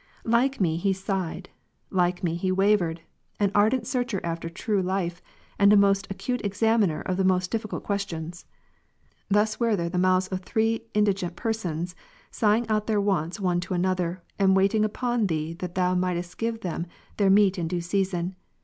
Like me he sighed, like me he wavered, an ardent searcher after true life, and a most acute examiner of the most difficult questions °. Thus were there the mouths of three indigent persons, sighing out their wants one to another, and ivaiting upon Thee that Thou Ps. 145, mightest give them their meat in due season.